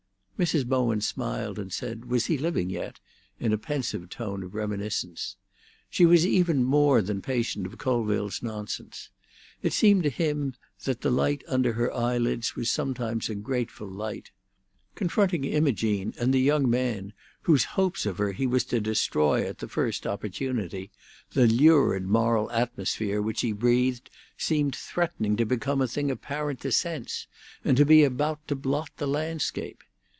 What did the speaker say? Mrs. Bowen smiled, and said, Was he living yet? in a pensive tone of reminiscence. She was even more than patient of Colville's nonsense. It seemed to him that the light under her eyelids was sometimes a grateful light. Confronting Imogene and the young man whose hopes of her he was to destroy at the first opportunity, the lurid moral atmosphere which he breathed seemed threatening to become a thing apparent to sense, and to be about to blot the landscape.